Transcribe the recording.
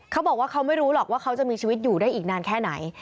เขาบอกว่าเขาไม่รู้หรอกว่าเขาจะมีชีวิตอยู่ได้อีกนานแค่ไหน